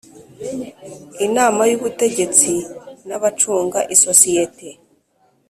inama y ubutegetsi n abacunga isosiyete